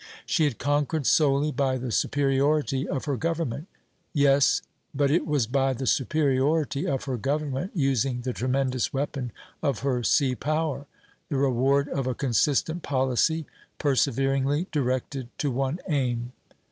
She had conquered solely by the superiority of her government." Yes; but it was by the superiority of her government using the tremendous weapon of her sea power, the reward of a consistent policy perseveringly directed to one aim.